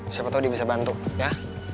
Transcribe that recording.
siapa tahu dia bisa bantu ya